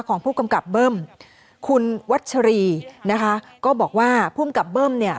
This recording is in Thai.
ของผู้กำกับเบิ้มคุณวัชรีนะคะก็บอกว่าภูมิกับเบิ้มเนี่ย